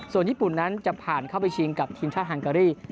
ส่วนญี่ปุ่นนั้นจะผ่านเข้าไปชิงกับทีมชาติฮังการี